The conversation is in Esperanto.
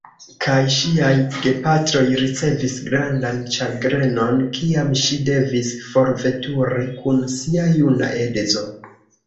Kaj ŝiaj gepatroj ricevis grandan ĉagrenon, kiam ŝi devis forveturi kun sia juna edzo.